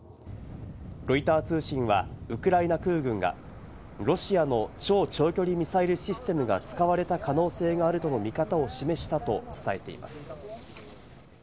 ロイター通信はウクライナ空軍がロシアの超長距離ミサイルシステムが使われた可能性があるとの見方を示したと伝えています。